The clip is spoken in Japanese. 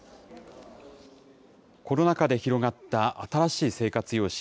コロナ禍で広がった新しい生活様式。